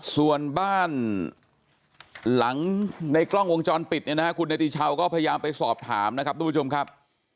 ส่วนบ้านหลังในกล้องวงจรปิดเนี่ยนะฮะคุณเนติชาวก็พยายามไปสอบถามนะครับทุกผู้ชมครับ